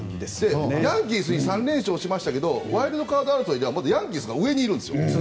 ヤンキースに３連勝しましたけどワイルドカード争いではまだヤンキースが上にいるんですよ。